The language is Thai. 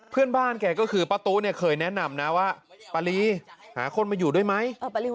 เพื่อนบ้านแกก็คือป้าตู้เนี่ยเคยแนะนำนะว่าปารีหาคนมาอยู่ด้วยไหม